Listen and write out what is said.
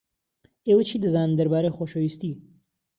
ئێوە چی دەزانن دەربارەی خۆشەویستی؟